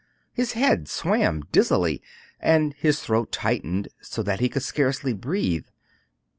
His head swam dizzily, and his throat tightened so that he could scarcely breathe.